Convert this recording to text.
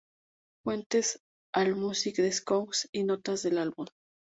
Fuentes: Allmusic, Discogs y notas del álbum.